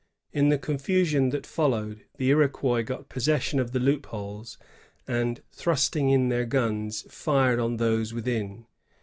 In the confusion that fol lowed, the Iroquois got possession of the loopholes, and, thrusting in their guns, fired on those within.